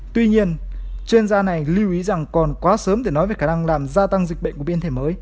tuy nhiên chuyên gia này lưu ý rằng còn quá sớm để nói về khả năng làm gia tăng dịch bệnh